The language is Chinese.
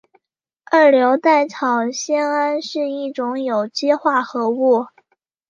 二硫代草酰胺是一种有机化合物。